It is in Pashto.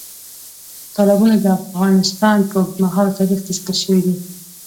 تالابونه د افغانستان په اوږده تاریخ کې ذکر شوي دي.